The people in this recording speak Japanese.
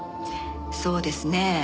そうですね